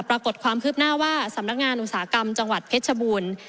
ปรากฏความคืบหน้าว่าสำนักงานอุตสาหกรรมจังหวัดเพชรชบูรณ์